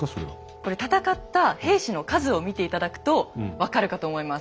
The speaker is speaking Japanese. これ戦った兵士の数を見て頂くと分かるかと思います。